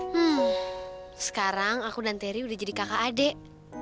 hmm sekarang aku dan terry udah jadi kakak adik